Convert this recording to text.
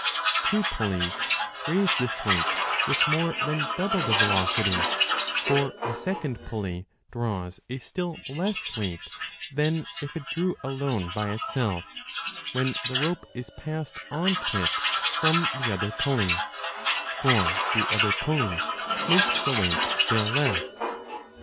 Two pulleys raise this weight with more than double the velocity ; for the second pulley draws a still 5 less weight than if it drew alone by itself, when the rope is passed on to it from the other pulley : for the other pulley makes the weight still less.